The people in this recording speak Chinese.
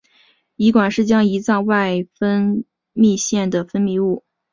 胰管是将胰脏外分泌腺的分泌物。